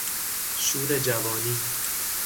شور جوانی